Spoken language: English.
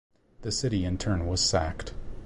The city in turn was sacked.